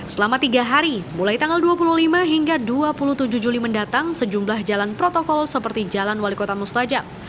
selama tiga hari mulai tanggal dua puluh lima hingga dua puluh tujuh juli mendatang sejumlah jalan protokol seperti jalan wali kota mustajab